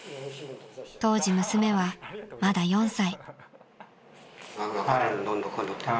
［当時娘はまだ４歳］